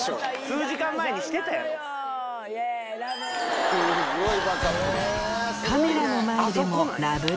数時間前にしてたやろ！